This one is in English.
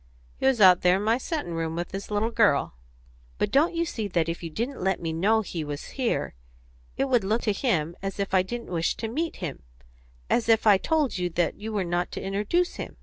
"He was out there in my settin' room with his little girl." "But don't you see that if you didn't let me know he was here it would look to him as if I didn't wish to meet him as if I had told you that you were not to introduce him?"